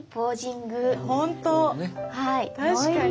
確かに。